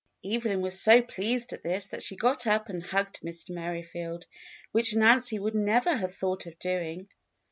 Evelyn was so pleased at this that she got up and hugged Mr. Merrifield, which Nancy would never have thought of doing.